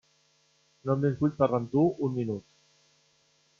Només vull parlar amb tu un minut.